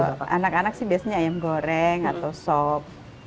kalau anak anak sih biasanya ayam goreng atau sop